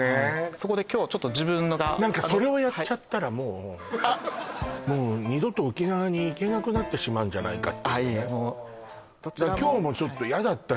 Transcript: そこで今日ちょっと自分が何かそれをやっちゃったらもうあっもう二度と沖縄に行けなくなってしまうんじゃないかってああいえもうどちらも今日もちょっと嫌だったのよ